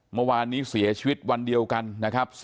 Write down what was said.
เมื่อวานนี้เสียชีวิตวันเดียวกันนะครับ